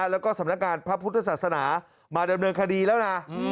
แล้วก็สำนักงานพระพุทธศาสนามาดำเนินคดีแล้วนะ